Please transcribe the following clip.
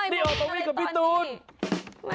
นี่ออกมาวิ่งกับพี่ตูดู